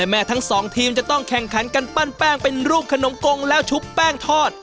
แม่ทั้งสองทีมจะต้องแข่งขันกันปั้นแป้งเป็นรูปขนมกงแล้วชุบแป้งทอด